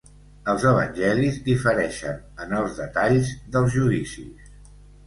Els evangelis difereixen en els detalls dels judicis.